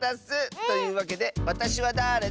というわけで「わたしはだれだ？」